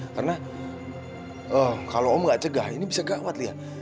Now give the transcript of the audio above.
karena kalau om gak cegah ini bisa gawat lia